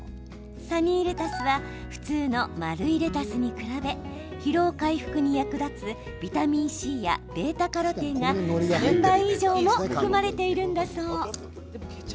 サニーレタスは普通の丸いレタスに比べ疲労回復に役立つビタミンＣやβ−カロテンが３倍以上も含まれているんだそう。